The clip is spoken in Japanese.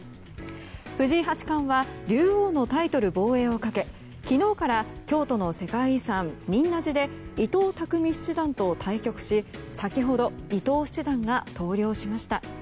藤井八冠は竜王のタイトル防衛をかけ昨日から京都の世界遺産仁和寺で伊藤匠七段と対局し先ほど、伊藤七段が投了しました。